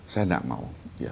saya tidak mau